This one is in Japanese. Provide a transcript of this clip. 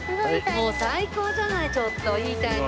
もう最高じゃないちょっといいタイミングで。